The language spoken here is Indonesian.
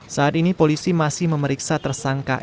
saat ini polisi masih memeriksa tersangka